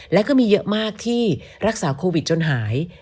และก็มีเยอะมากที่รักษาโควิดจนหาย